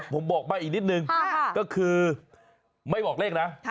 ผมบอกมาอีกนิดนึงก็คือไม่บอกเลขนะ